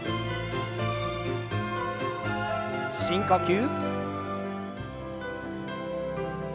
深呼吸。